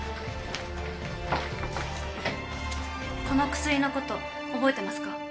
この薬のこと覚えてますか？